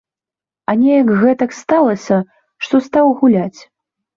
А неяк гэтак сталася, што стаў гуляць.